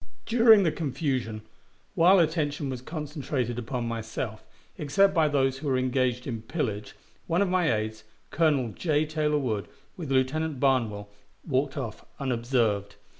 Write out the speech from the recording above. During the confusion, while attention was concentrated upon myself, except by those who were engaged in pillage, one of my aides, Colonel J. Taylor Wood, with Lieutenant Barnwell, walked off unobserved.